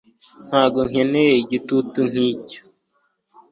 ntabwo nkeneye igitutu nkicyo